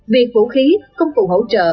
việc vũ khí công cụ hỗ trợ